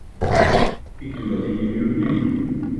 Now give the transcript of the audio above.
Ik doe dat hier nu opnieuw.